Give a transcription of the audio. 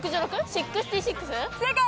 ６６？正解！